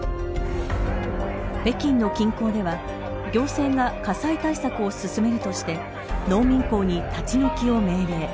北京の近郊では行政が火災対策を進めるとして農民工に立ち退きを命令。